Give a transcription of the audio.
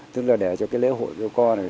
tức là để cho cái lễ hội của co này